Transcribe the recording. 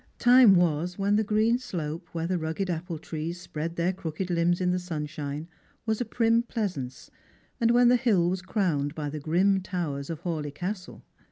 Time was when the green slope where the rugged apple trees spread their crooked limbs in the sunshine was a prim pleasance, and when the hill was crowned by the grim towers of Hawleigh Castle.